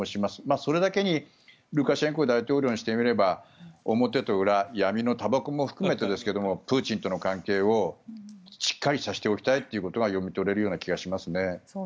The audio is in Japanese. それだけにルカシェンコ大統領にしてみれば表と裏闇のたばこも含めてですがプーチンとの関係をしっかりさせておきたいということが読み取れる気がしますね。